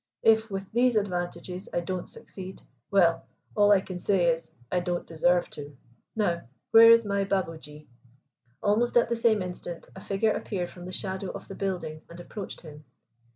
If with these advantages I don't succeed, well, all I can say is, I don't deserve to. Now where is my Babuji?" Almost at the same instant a figure appeared from the shadow of the building and approached him.